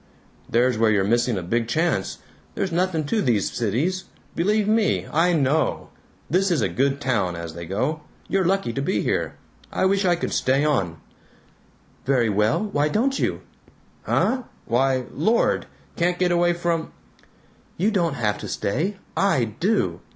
"There's where you're missing a big chance. There's nothing to these cities. Believe me, I KNOW! This is a good town, as they go. You're lucky to be here. I wish I could shy on!" "Very well, why don't you?" "Huh? Why Lord can't get away fr " "You don't have to stay. I do!